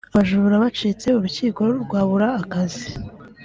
abajura bacitse urukiko rwabura akazi